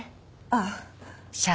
ああ。